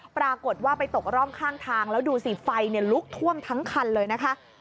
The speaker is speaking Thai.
ปรากฏว่าไปตกร่องข้างทางแล้วดูสิไฟลุกท่วมทั้งคันเลยนะคะ